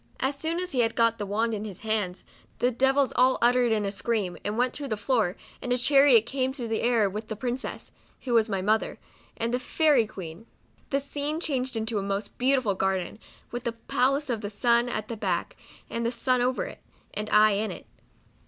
As soon as he had got the wand in his hands, the devils all nttered a scream, and went through the floor, and a chariot came through the air with the " Princess," (who was my mother) and the " Fairy Queen. " The scene changed to a most beautiful garden, with the palace of the sun at the back, and the sun over it, and I in it.